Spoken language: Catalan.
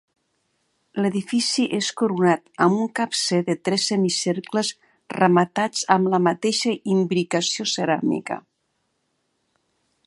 L'edifici és coronat amb un capcer de tres semicercles rematats amb la mateixa imbricació ceràmica.